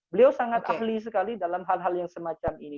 beliau sangat ahli sekali dalam hal hal yang semacam ini